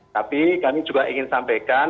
tapi kami juga ingin sampaikan